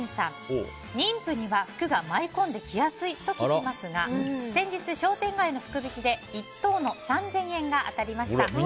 妊婦には福が舞い込んできやすいと聞きますが先日、商店街の福引で１等の３０００円が当たりました。